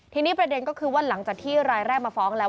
ทีนี้ประเด็นก็คือว่าหลังจากที่รายแรกมาฟ้องแล้ว